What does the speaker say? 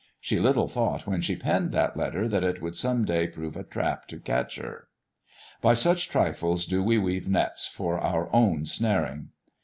She little thought when she penned that letter that it would some day prove a trap to catch her. By such trifles do we weave nets for our own snaring.